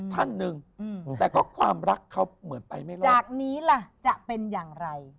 ท่านหนึ่ง